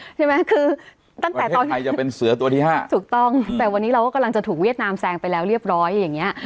ใช่ไหมคือตั้งแต่ตอนไทยจะเป็นเสือตัวที่ห้าถูกต้องแต่วันนี้เราก็กำลังจะถูกเวียดนามแซงไปแล้วเรียบร้อยอย่างเงี้ย